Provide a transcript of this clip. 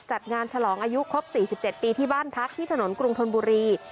จัดงานฉลองอายุครบ๔๗ปีที่บ้านพักที่ถนนกรุงธนบุรี